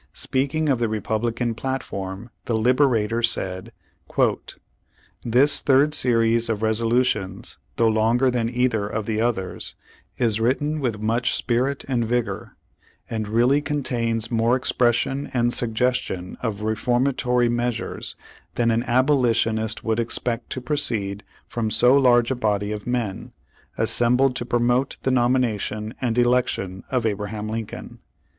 Speaking of the Republican plat form, the Liberator said : "This third series of resolutions, though longer than either of the others, is written with much spirit and vigor, and really contains more expression and suggestion of re formatoiy measures than an abolitionist would expect to proceed fromi so large a body of men, assembled to promote the nomination and election of Abraham Lincoln."